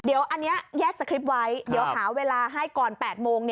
เดี๋ยวอันนี้แยกสคริปต์ไว้เดี๋ยวหาเวลาให้ก่อน๘โมง